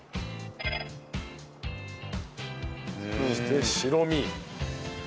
そして白身。